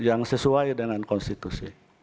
yang sesuai dengan konstitusi